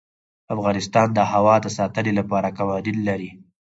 افغانستان د هوا د ساتنې لپاره قوانین لري.